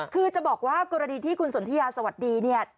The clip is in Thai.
คือจะบอกว่ากรณีที่คุณสนทิยาสวัสดีเนี่ย